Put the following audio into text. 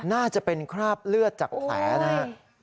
น่าจะเป็นคราบเลือดจากแผลนะครับ